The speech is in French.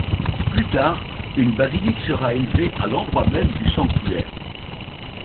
Plus tard, une basilique sera élevée à l’endroit même du sanctuaire.